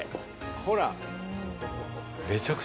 ほら。